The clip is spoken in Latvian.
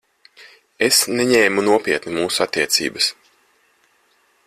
Es neņēmu nopietni mūsu attiecības.